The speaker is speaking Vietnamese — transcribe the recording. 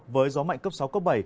với gió mạnh cấp sáu cấp bảy